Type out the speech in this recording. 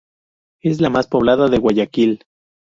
Es la más poblada de Guayaquil.